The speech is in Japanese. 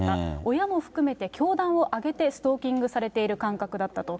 親も含めて教団を挙げてストーキングされている感覚だったと。